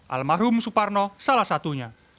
almarhum suparno salah satunya